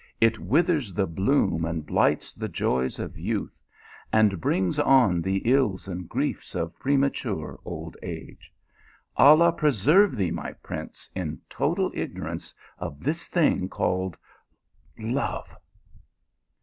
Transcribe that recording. It withers the bloom and blights the joys of youth, and brings on the ills and griefs of 196 Till premature old age. i _,.. v ^...ce, in total ignorance of this thing called love